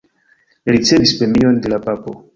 Li ricevis premion de la papo.